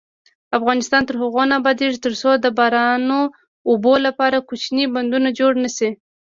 افغانستان تر هغو نه ابادیږي، ترڅو د باران اوبو لپاره کوچني بندونه جوړ نشي.